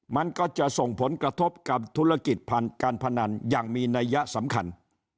มันก็จะส่งผลกระทบกับธุรกิจการพนันอย่างมีนัยยะสำคัญ